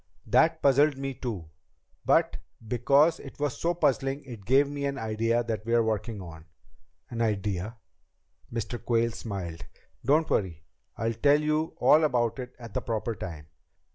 "That puzzled me, too. But because it was so puzzling it gave me an idea that we're working on." "An idea?" Mr. Quayle smiled. "Don't worry. I'll tell you all about it at the proper time.